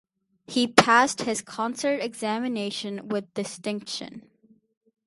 He passed his concert examination with distinction.